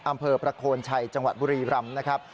อำเภอประโคนชัยจังหวัดบุรีรำนะครับ